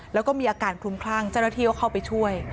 แล้วก็มีอาการคลุมคลั่งเจ้าหน้าที่ก็เข้าไปช่วย